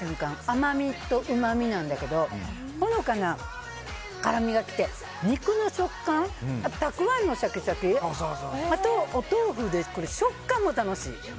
甘みとうまみなんだけどほのかな辛みがきて肉の食感たくあんのシャキシャキあとお豆腐で食感も楽しい。